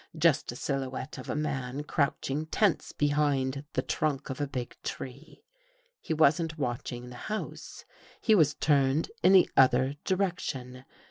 Just a silhouette of a man crouch ing tense behind the trunk of a big tree. He wasn't watching the house. He was turned in the other direction.